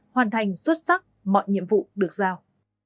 hoàn thành xuất sắc mọi nhiệm vụ được giao